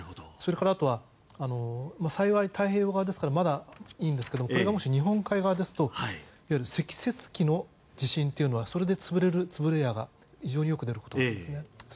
それから、幸い太平洋側だからまだいいんですけどこれがもし日本海側ですといわゆる積雪期の地震はそれで潰れるところが非常によく出ることですね。